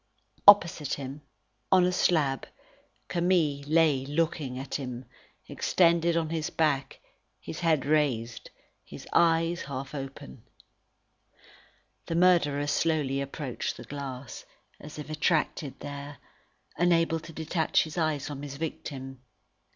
Opposite him, on a slab, Camille lay looking at him, extended on his back, his head raised, his eyes half open. The murderer slowly approached the glass, as if attracted there, unable to detach his eyes from his victim.